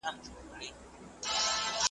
يا به څوك وي چا وهلي يا وژلي .